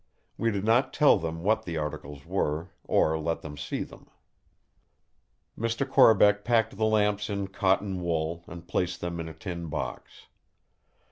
We did not tell them what the articles were; or let them see them. Mr. Corbeck packed the lamps in cotton wool, and placed them in a tin box.